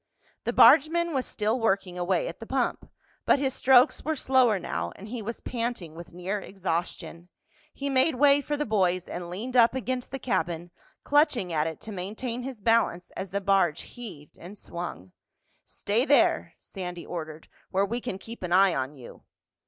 The bargeman was still working away at the pump, but his strokes were slower now and he was panting with near exhaustion. He made way for the boys and leaned up against the cabin, clutching at it to maintain his balance as the barge heaved and swung. "Stay there," Sandy ordered, "where we can keep an eye on you."